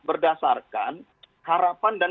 berdasarkan harapan dan